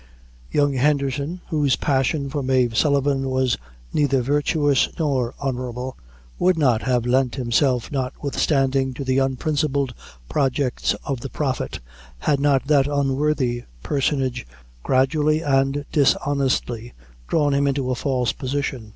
Young Henderson, whose passion for Mave Sullivan was neither virtuous nor honorable, would not have lent himself, notwithstanding, to the unprincipled projects of the Prophet, had not that worthy personage gradually and dishonestly drawn him into a false position.